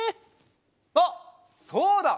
あっそうだ！